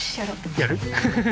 やる？